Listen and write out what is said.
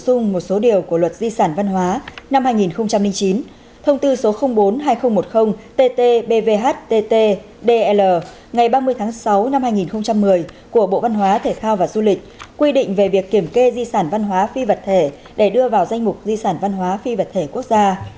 một số điều của luật di sản văn hóa năm hai nghìn chín thông tư số bốn hai nghìn một mươi tt bvhtt dl ngày ba mươi tháng sáu năm hai nghìn một mươi của bộ văn hóa thể thao và du lịch quy định về việc kiểm kê di sản văn hóa phi vật thể để đưa vào danh mục di sản văn hóa phi vật thể quốc gia